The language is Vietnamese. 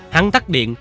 hắn tắt điện